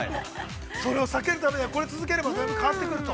それを避けるためにこれを続ければだいぶ変わってくると。